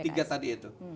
ya tiga tadi itu